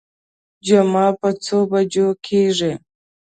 جمعه په څو بجو کېږي.